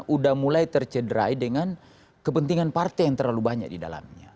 udah mulai tercederai dengan kepentingan partai yang terlalu banyak di dalamnya